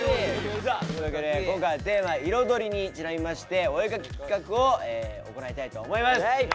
さあというわけで今回テーマ「彩り」にちなみましてお絵描き企画を行いたいと思います。